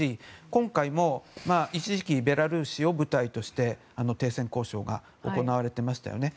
今回も一時期ベラルーシを舞台として停戦交渉が行われていましたよね。